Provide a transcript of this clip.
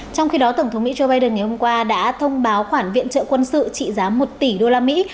trong khi đó tổng thống mỹ joe biden ngày hôm qua đã thông báo khoản viện trợ quân sự trị giá một tỷ đô la mỹ